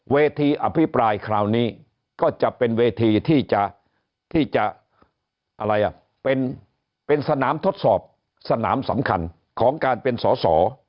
อภิปรายคราวนี้ก็จะเป็นเวทีที่จะเป็นสนามทดสอบสนามสำคัญของการเป็นสอสอ